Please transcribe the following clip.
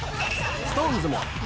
ＳｉｘＴＯＮＥＳも！